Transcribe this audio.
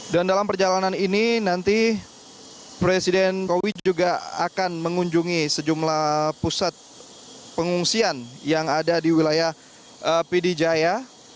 dan dalam perjalanan ini nanti presiden jokowi juga akan mengunjungi sejumlah pusat pengungsian yang ada di wilayah pidi jaya